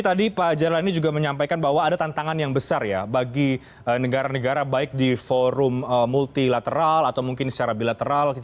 tadi pak jelani juga menyampaikan bahwa ada tantangan yang besar ya bagi negara negara baik di forum multilateral atau mungkin secara bilateral